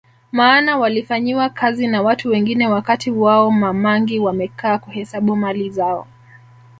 Maana walifanyiwa kazi na watu wengine wakati wao Ma mangi wamekaa kuhesabu mali zao